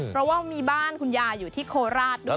เพราะว่ามีบ้านคุณยายอยู่ที่โคราชด้วย